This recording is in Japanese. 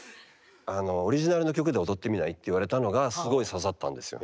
「オリジナルの曲で踊ってみない？」って言われたのがすごい刺さったんですよ。